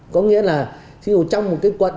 có nghĩa là thí dụ trong một cái quận